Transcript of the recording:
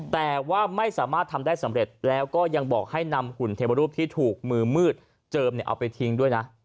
แต่ว่าไม่สามารถทำได้สำเร็จแล้วก็ยังบอกให้นำหุ่นเทวรูปที่ถูกมือมืดเจิมเอาไปทิ้งด้วยนะ